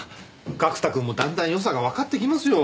角田くんもだんだん良さがわかってきますよ。